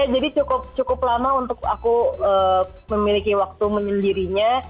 jadi cukup lama untuk aku memiliki waktu menyendirinya